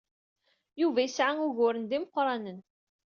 Yuba yesɛa uguren d imeqranen.